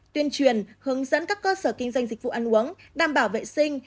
tuyên truyền hướng dẫn các cơ sở kinh doanh dịch vụ ăn uống đảm bảo vệ sinh